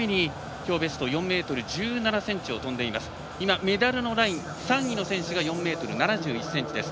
今メダルのライン３位の選手が４ｍ７１ｃｍです。